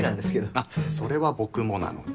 あっそれは僕もなので。